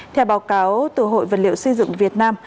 theo báo cáo từ hội vật liệu xây dựng việt nam